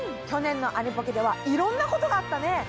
去年のアニポケではいろんなことがあったね。